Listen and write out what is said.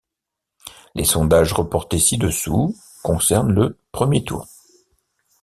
Les sondages reportés ci-dessous concernent le premier tour.